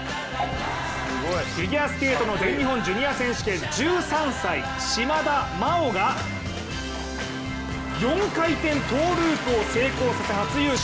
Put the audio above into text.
フィギュアスケートの全日本選手権１３歳、島田麻央が４回転トゥループを成功させ初優勝。